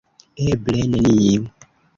Eble neniu.